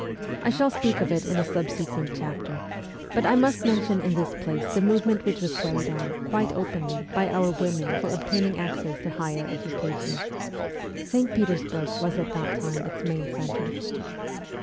I shall speak of it in a subsequent chapter ; but I must mention in this place the movement which was carried on, quite openly, by our women for obtaining access to higher education. St. Petersburg was at that time its main centre.